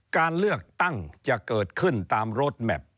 การเลือกตั้งจะเกิดขึ้นตามรถแมพ